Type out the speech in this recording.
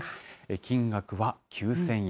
金額は９０００円。